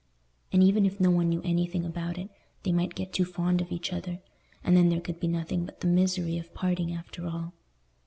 And even if no one knew anything about it, they might get too fond of each other, and then there could be nothing but the misery of parting, after all.